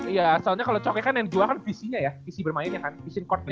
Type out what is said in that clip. iya soalnya kalau coknya kan yang dijual kan visinya ya visi bermainnya kan vision courtnya